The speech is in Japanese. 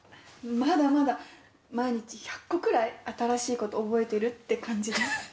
まだまだ毎日１００個くらい新しいこと覚えてるって感じです